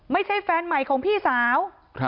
ไม่ใช่แฟนใหม่ของพี่สาว